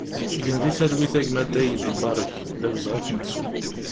Gen di talwit a gma Daïd Mbarek, d awezɣi ad k-nettu!